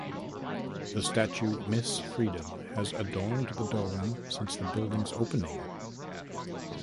The statue "Miss Freedom" has adorned the dome since the building's opening.